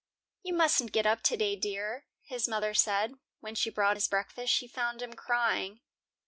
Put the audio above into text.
"You mustn't get up today, dear," his mother said. When she brought his breakfast, she found him crying.